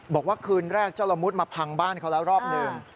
บอกว่าคืนแรกเจ้าละมุดมาพังบ้านเขาแล้วรอบหนึ่ง